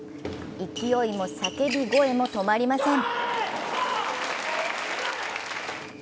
勢いも叫び声も止まりません。